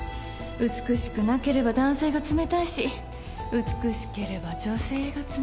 美しくなければ男性が冷たいし美しければ女性が冷たい。